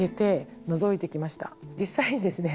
実際にですね